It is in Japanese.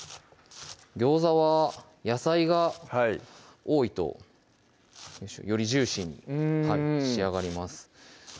ギョーザは野菜が多いとよりジューシーに仕上がります